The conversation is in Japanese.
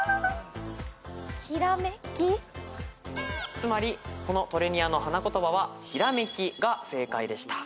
つまりトレニアの花言葉は「ひらめき」が正解でした。